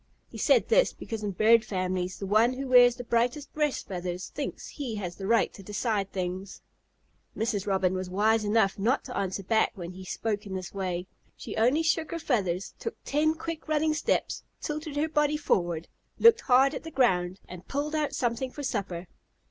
He said this because in bird families the one who wears the brightest breast feathers thinks he has the right to decide things. Mrs. Robin was wise enough not to answer back when he spoke in this way. She only shook her feathers, took ten quick running steps, tilted her body forward, looked hard at the ground, and pulled out something for supper.